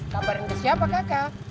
kabarin ke siapa kakak